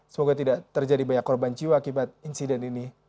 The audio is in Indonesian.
semoga tidak terjadi banyak korban jiwa akibat insiden ini